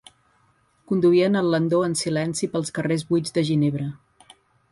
Conduïen el landó en silenci pels carrers buits de Ginebra.